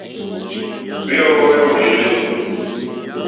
Hwèɔ́ŋɡɔ́ hwé !mólélí.